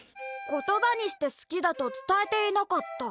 「言葉にして好きだと伝えていなかった」。